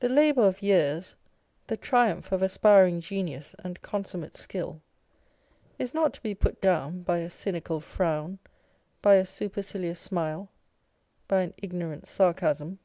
The labour of years, the triumph of aspiring genius and consummate skill, is not to be put down by a cynical frown, by a supercilious smile, by an ignorant sarcasm.